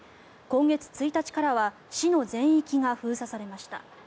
今月１日からは市の全域が封鎖されました。